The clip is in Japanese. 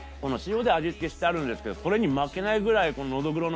してあるんですけどそれに負けないぐらい。